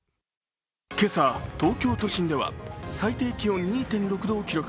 今朝、東京都心では最低気温２．６度を観測